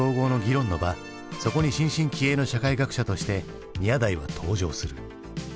そこに新進気鋭の社会学者として宮台は登場する。